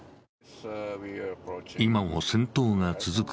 今も戦闘が続く